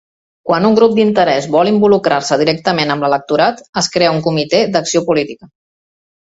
Quan un grup d'interès vol involucrar-se directament amb l'electorat, es crea un comitè d'acció política.